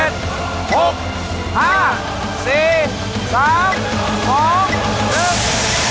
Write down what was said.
ได้แล้ว